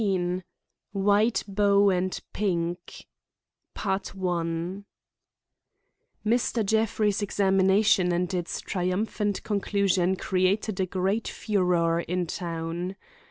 XV. WHITE BOW AND PINK Mr. Jeffrey's examination and its triumphant conclusion created a great furor in town.